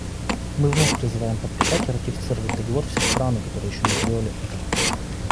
Мы вновь призываем подписать и ратифицировать Договор все страны, которые еще не сделали этого.